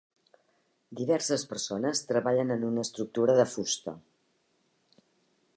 Diverses persones treballen en una estructura de fusta.